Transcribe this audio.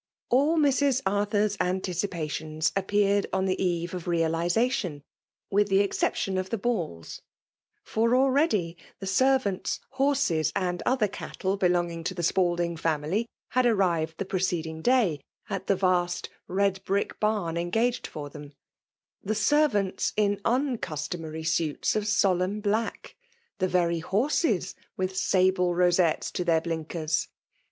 . All Mrs* Arthur s anticipations appeared on tlie eve of realization^ ^th the exception of the l^alls; fbr> already^ the servants, horses, and other cattle* belonging, to the Spalding family had arrived the preceding day, at the vast, red brick barn engaged for them, — the servants in tmeuartomadry suits of solemn black, — ^the very horses with sable rosettes to their blinkers.